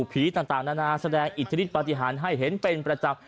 ผีต่างนานาแสดงอิทธิฤทธปฏิหารให้เห็นเป็นประจำ